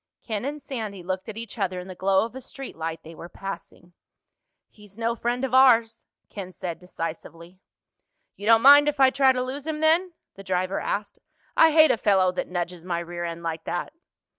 Ken and Sandy looked at each other in the glow of a street light they were passing. "He's no friend of ours," Ken said decisively. "You don't mind if I try to lose him then?" the driver asked. "I hate a fellow that nudges my rear end like that."